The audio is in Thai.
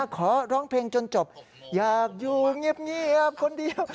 ขอร้องเพลงจนจบอยากอยู่เงียบคนเดียว